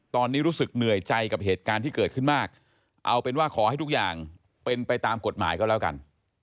ตอนนี้รู้สึกเหนื่อยใจกับเหตุการณ์ที่เกิดขึ้นมากเอาเป็นว่าขอให้ทุกอย่างเป็นไปตามกฎหมายก็แล้วกัน